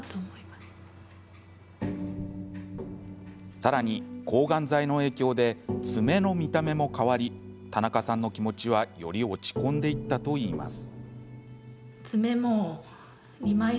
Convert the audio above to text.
さらに、抗がん剤の影響で爪の見た目も変わり田中さんの気持ちはより落ち込んでいったといいます。